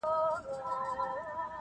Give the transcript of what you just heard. اوس به څوك د هندوكش سندري بولي-